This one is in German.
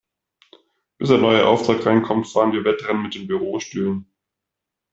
Bis ein neuer Auftrag reinkommt, fahren wir Wettrennen mit den Bürostühlen.